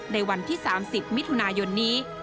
ในวันที่๓๐มิถุนายนนี้